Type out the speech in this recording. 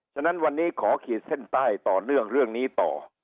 ฉะนั้นวันนี้ขอขีดเส้นใต้ต่อเนื่องเรื่องนี้ต่อ